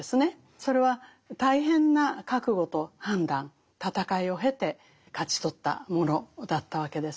それは大変な覚悟と判断闘いを経て勝ち取ったものだったわけです。